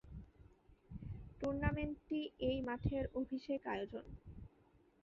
টুর্নামেন্টটি এই মাঠের অভিষেক আয়োজন।